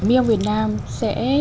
milong việt nam sẽ